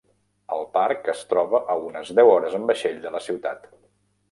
El parc es troba a unes deu hores en vaixell de la ciutat.